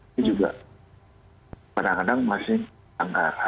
ini juga kadang kadang masih angka